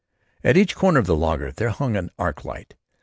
At each corner of the laager there hung an arc light.